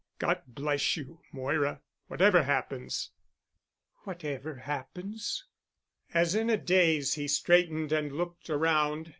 God bless you, Moira—whatever happens——" "Whatever happens?" As in a daze he straightened and looked around.